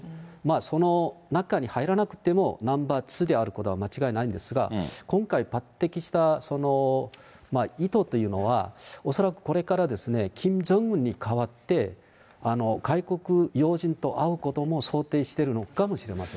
その中に入らなくてもナンバー２であることは間違いないんですが、今回抜てきした意図というのは、恐らくこれからキム・ジョンウンに代わって、外国要人と会うことも想定してるのかもしれません。